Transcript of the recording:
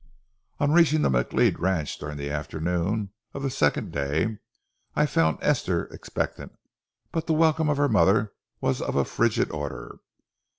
On reaching the McLeod ranch during the afternoon of the second day, I found Esther expectant; but the welcome of her mother was of a frigid order.